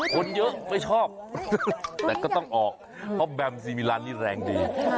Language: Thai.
คนเยอะไม่ชอบแต่ก็ต้องออกเพราะแบมซีมิลันนี่แรงดี